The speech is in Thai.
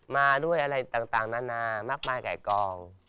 มาด้วยอะไรต่างนานามากมายกับกอง